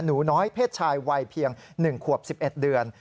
หนูน้อยเพศชายวัยเพียง๑ขวบ๑๑เดือน